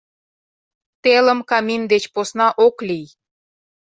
— Телым камин деч посна ок лий!